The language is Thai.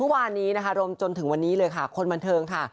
วางนี้นะคะโดยมจนถึงวันนี้เลยค่ะคนบันเทิงค่ะ